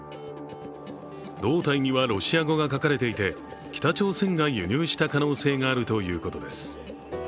胴体にはロシア語が書かれていて、北朝鮮が輸入した可能性があるということです。